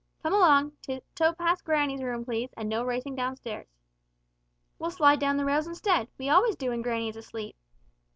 "Come along tiptoe past granny's room, please, and no racing downstairs." "We'll slide down the rails instead, we always do when granny is asleep."